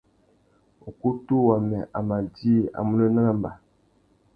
Ukutu wamê a má djï a munú nanamba.